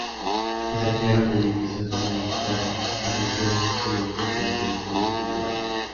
Se saquearon edificios universitarios y se rompieron museos y otras colecciones culturales.